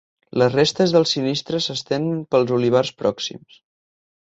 Les restes del sinistre s’estenen pels olivars pròxims.